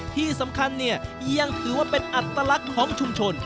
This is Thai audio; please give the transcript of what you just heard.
ที่สำคัญเนี่ยยังถือว่าเป็นอัตลักษณ์ของชุมชน